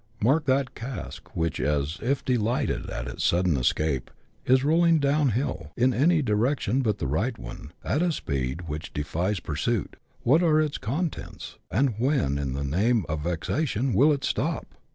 Mark that cask, which, as if delighted at its sudden escape, is rolling down hill, in any direction but the right one, at a speed which defies pursuit. What are its contents ? and when, in the name of vexation, will it stop?